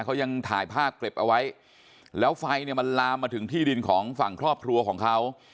เขายังถ่ายภาพเก็บเอาไว้แล้วไฟเนี่ยมันลามมาถึงที่ดินของฝั่งครอบครัวของเขา